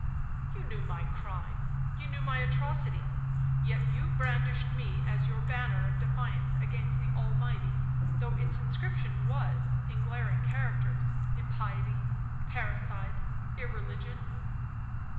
You knew my crime, you knew my atrocity, yet you brandished me as your banner of defiance against the Almighty, though its inscription was, in glaring characters,—impiety—parricide—irreligion.